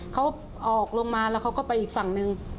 เขาออกลงมาก็ไปอีกฝั่งนึง